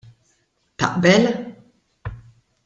Taqbel?